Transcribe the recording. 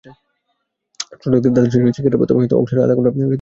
ষষ্ঠ থেকে দ্বাদশ শ্রেণির শিক্ষার্থীরা প্রথমে অংশ নিল আধা ঘণ্টার কুইজ প্রতিযোগিতায়।